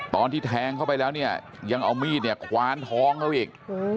ตอนที่แทงเข้าไปแล้วเนี่ยยังเอามีดเนี่ยคว้านท้องเขาอีก